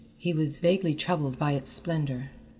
He was vaguely troubled by its splendour.